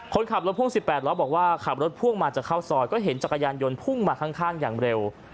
คนขับรถพ่วง๑๘ล้อบอกว่าขับรถพ่วงมาจะเข้าซอยก็เห็นจักรยานยนต์พุ่งมาข้างอย่างเร็ว